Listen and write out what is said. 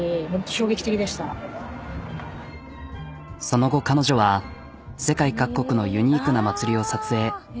その後彼女は世界各国のユニークな祭りを撮影。